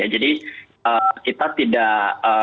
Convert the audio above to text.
jadi kita tidak